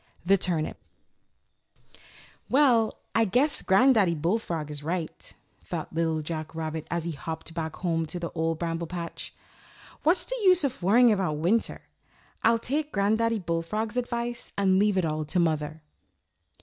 THE TURNIP "WELL, I guess Granddaddy Bullfrog is right," thought Little Jack Rabbit, as he hopped back home to the Old Bramble Patch. "What's the use of worrying about winter? I'll take Granddaddy Bullfrog's advice and leave it all to Mother."